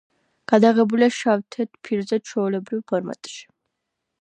გადაღებულია შავ-თეთრ ფირზე ჩვეულებრივ ფორმატში.